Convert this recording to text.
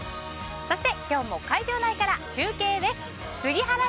そして今日も会場内から中継です。